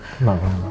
terima kasih pak